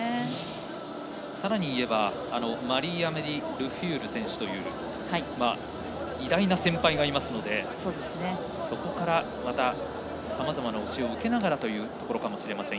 さらにいえばマリーアメリ・ルフュール選手という偉大な先輩がいますのでそこからさまざまな教えを受けながらというところかもしれません。